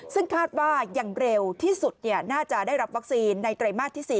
ซึ่งคาดว่ายังเร็วที่สุดน่าจะได้รับวัคซีนในไตรมาสที่๔